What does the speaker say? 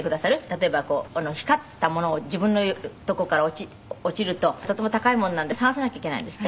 例えば光ったものを自分のとこから落ちるととても高いものなんで捜さなきゃいけないんですって？